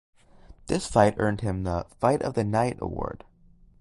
This fight earned him the "Fight of the Night" award.